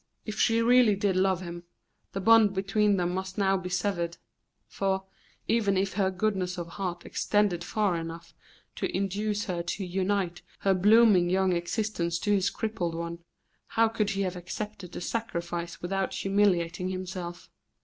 If she really did love him, the bond between them must now be severed; for, even if her goodness of heart extended far enough to induce her to unite her blooming young existence to his crippled one, how could he have accepted the sacrifice without humiliating himself?